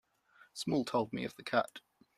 Small told me of the cat.